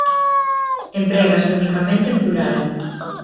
Emprégase unicamente en plural.